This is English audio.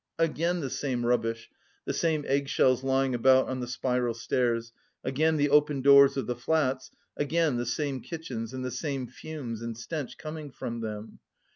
Again the same rubbish, the same eggshells lying about on the spiral stairs, again the open doors of the flats, again the same kitchens and the same fumes and stench coming from them.